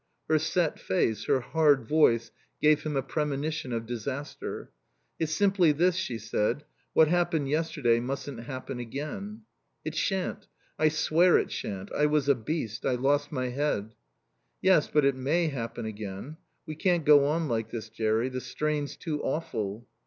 Her set face, her hard voice gave him a premonition of disaster. "It's simply this," she said. "What happened yesterday mustn't happen again." "It shan't. I swear it shan't. I was a beast. I lost my head." "Yes, but it may happen again. We can't go on like this, Jerry. The strain's too awful."